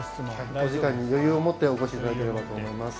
お時間に余裕を持ってお越しいただければと思います。